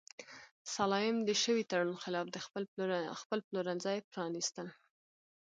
سلایم د شوي تړون خلاف خپل پلورنځي پرانیستل.